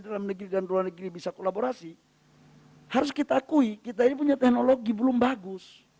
dalam negeri dan luar negeri bisa kolaborasi harus kita akui kita ini punya teknologi belum bagus